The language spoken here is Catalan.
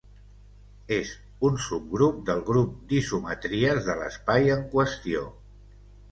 És un subgrup del grup d'isometries de l'espai en qüestió.